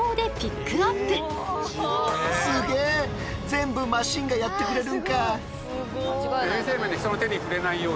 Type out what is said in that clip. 全部マシンがやってくれるんか。